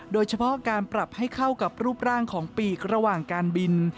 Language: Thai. โดยเฉพาะการปรับให้เข้ากับรูปร่างของปีกระหว่างการบิน